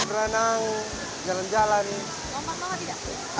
berenang jalan jalan nih